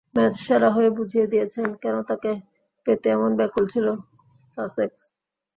ম্যাচসেরা হয়ে বুঝিয়ে দিয়েছেন কেন তাঁকে পেতে এমন ব্যাকুল ছিল সাসেক্স।